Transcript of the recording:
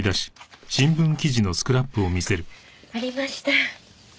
ありました。